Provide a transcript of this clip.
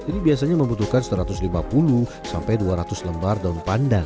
ini biasanya membutuhkan satu ratus lima puluh sampai dua ratus lembar daun pandan